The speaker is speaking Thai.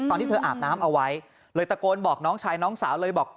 ตอนที่เธออาบน้ำเอาไว้เลยตะโกนบอกน้องชายน้องสาวเลยบอก